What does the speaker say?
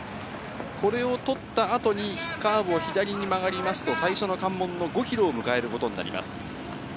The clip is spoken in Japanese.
これを取ったあとに、カーブを左に曲がりますと、最初の関門の５キロを迎えることになります。